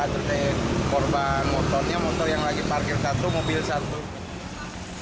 terkait korban motornya motor yang lagi parkir satu mobil satu